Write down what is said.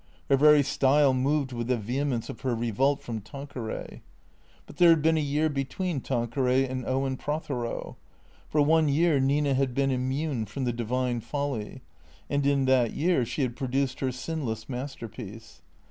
Her very style moved with the vehemence of her revolt from Tanqueray. But there had been a year between Tanqueray and Owen Prothero. For one year Nina had been immune from the divine folly. And in that year she had produced her sinless masterpiece.